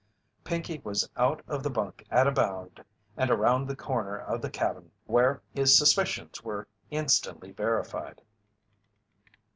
Pinkey was out of the bunk at a bound and around the corner of the cabin, where his suspicions were instantly verified.